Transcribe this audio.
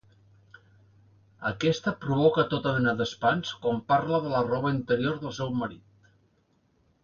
Aquesta provoca tota mena d'espants quan parla de la roba interior del seu marit.